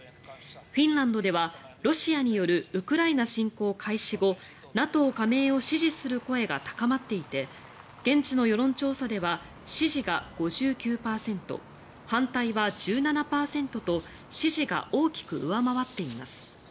フィンランドでは、ロシアによるウクライナ侵攻開始後ＮＡＴＯ加盟を支持する声が高まっていて現地の世論調査では支持が５９％、反対は１７％と支持が大きく上回っています。